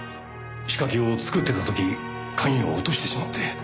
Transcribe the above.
仕掛けを作ってた時鍵を落としてしまって。